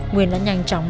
nguyên đã nhanh chóng